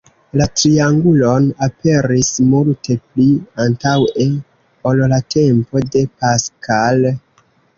La triangulon aperis multe pli antaŭe ol la tempo de Pascal.